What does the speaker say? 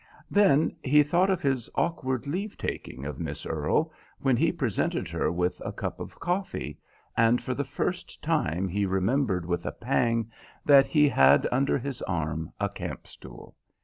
Then, he thought of his awkward leave taking of Miss Earle when he presented her with the cup of coffee, and for the first time he remembered with a pang that he had under his arm a camp stool.